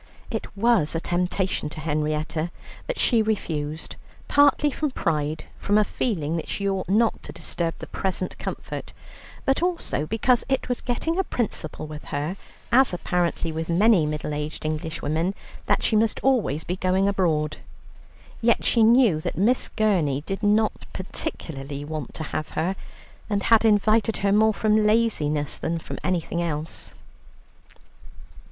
It was a temptation to Henrietta, but she refused partly from pride, from a feeling that she ought not to disturb the present comfort, but also because it was getting a principle with her, as apparently with many middle aged Englishwoman, that she must always be going abroad. Yet she knew that Miss Gurney did not particularly want to have her, and had invited her more from laziness than from anything else.